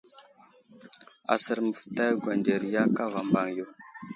Asər məftay gwanderiya kava mbaŋ yo.